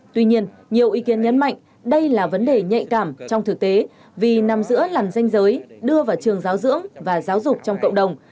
tuy nhiên nhiều ý kiến nhấn mạnh đây là vấn đề nhạy cảm trong thực tế vì nằm giữa làn danh giới đưa vào trường giáo dưỡng và giáo dục trong cộng đồng